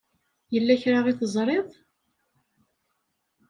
Yella kra i teẓṛiḍ?